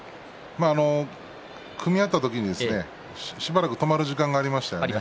組み合った時に少し止まる時間がありましたよね。